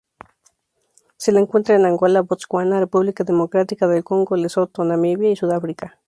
Se la encuentra en Angola, Botswana, República Democrática del Congo, Lesoto, Namibia, y Sudáfrica.